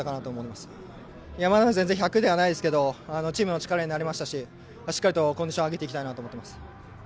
まだまだ全然１００ではないですけれどチームの力になれましたししっかりとコンディションを上げていきたいなと思っています。